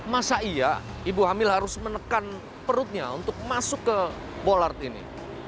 masa iya ibu hamil harus menekan perutnya untuk masuk ke bolart ini